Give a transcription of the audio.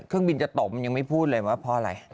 เครื่องบินจะตกมันยังไม่พูดเลยว่าเพราะอะไร